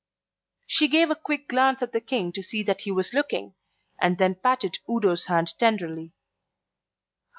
She gave a quick glance at the King to see that he was looking, and then patted Udo's hand tenderly.